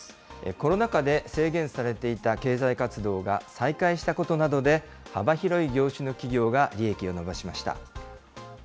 コロナ禍で制限されていた経済活動が再開したことなどで、幅広い業種の企業が利益を伸ばしました。